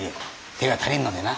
手が足りんのでな。